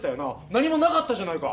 何もなかったじゃないか。